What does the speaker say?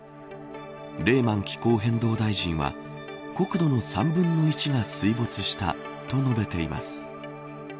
レーマン気候変動大臣は国土の３分の１が水没したと述べています。